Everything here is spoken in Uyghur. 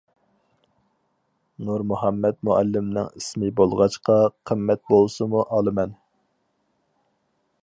نۇرمۇھەممەت مۇئەللىمنىڭ ئىسمى بولغاچقا قىممەت بولسىمۇ ئالىمەن.